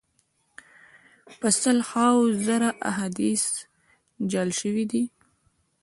په سل هاوو زره احادیث جعل سوي وه.